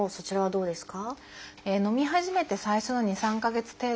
そうですか。